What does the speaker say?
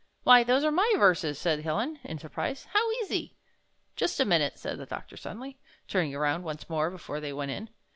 ''Why, those are my verses," said Helen, in surprise. ''How easy!" "Just a minute," said the doctor, suddenly, turning around once more before they went in.